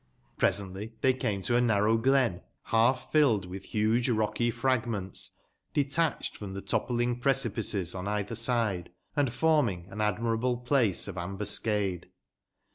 Piesently tbey came to a narrow glen, balf filled witb buge rocky fragments, detacbed from tbe toppling precipices on eitber side, and forming an admirable place of ambuscade.